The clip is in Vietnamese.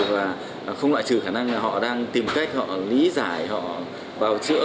và không loại trừ khả năng là họ đang tìm cách họ lý giải họ bào chữa